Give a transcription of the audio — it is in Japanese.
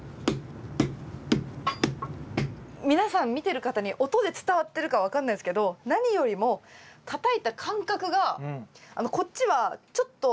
皆さん見てる方に音で伝わってるか分かんないですけど何よりもたたいた感覚がこっちはちょっと跳ね返るんですよ。